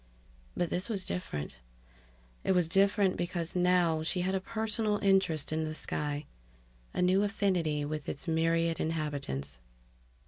But this was different. It was different because now she had a personal interest in the sky, a new affinity with its myriad inhabitants.